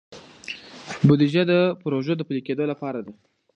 بودیجه د پروژو د پلي کیدو لپاره ده.